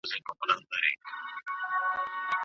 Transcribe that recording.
توماس له ذهني اختلال سره مخ شو.